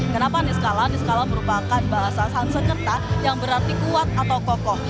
kenapa niskala niskala merupakan bahasa sansekerta yang berarti kuat atau kokoh